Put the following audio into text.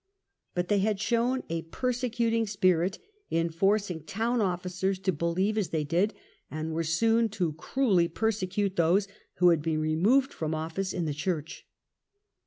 But they had shown a persecuting spirit in forcing town officers to believe as they did, and were soon to cruelly persecute those who had been removed from office in the Church.